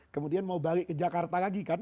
kemudian mau balik ke jakarta lagi kan